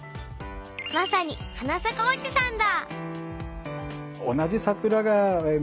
まさに花咲かおじさんだ。